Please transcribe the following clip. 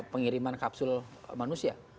pengiriman kapsul manusia